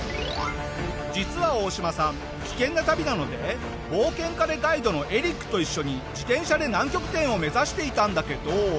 実はオオシマさん危険な旅なので冒険家でガイドのエリックと一緒に自転車で南極点を目指していたんだけど。